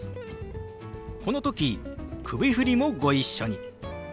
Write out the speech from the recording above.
この時首振りもご一緒に。